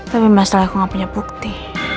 tapi masalah aku gak punya bukti